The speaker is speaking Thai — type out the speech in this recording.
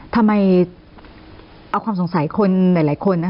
ทำไมเอาความสงสัยในความรู้สึกหลายคน